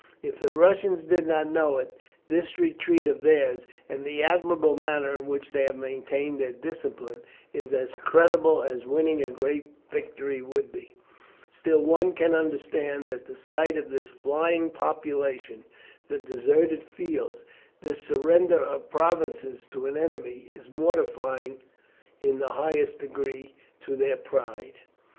If the Russians did but know it, this retreat of theirs, and the admirable manner in which they have maintained their discipline, is as creditable as winning a great victory would be; still one can understand that the sight of this flying population, the deserted fields, this surrender of provinces to an enemy, is mortifying in the highest degree to their pride.